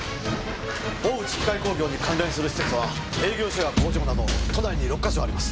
大内機械工業に関連する施設は営業所や工場など都内に６か所あります。